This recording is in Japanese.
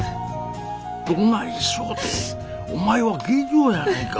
「どないしよう」てお前は下女やないか。